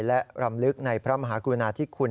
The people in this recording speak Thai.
และรำลึกในพระมหากรุณาธิคุณ